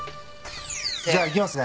じゃあいきますね。